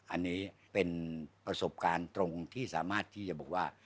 อันนี้เป็นประสบการณ์ตรงที่สามารถที่จะบอกว่า